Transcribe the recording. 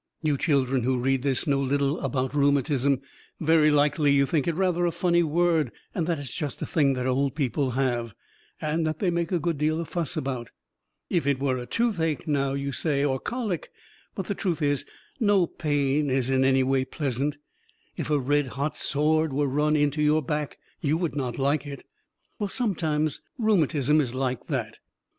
You children who read this know little about rheumatism. Very likely you think it rather a funny word, and that it is just a thing that old people have, and that they make a good deal of fuss about. If it were a toothache, now, you say, or colic but the truth is, no pain is in any way pleasant. If a red hot sword were run into your back you would not like it? Well, sometimes rheumatism is like that.